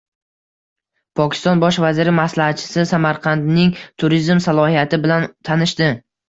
Pokiston Bosh vaziri maslahatchisi Samarqandning turizm salohiyati bilan tanishdi